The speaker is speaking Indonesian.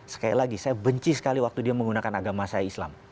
sekali lagi saya benci sekali waktu dia menggunakan agama saya islam